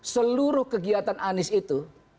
seluruh kegiatan anies itu